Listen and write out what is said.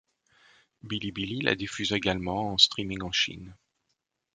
Bilibili la diffuse également en streaming en Chine.